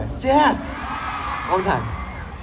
โอเคทรงอย่างแบด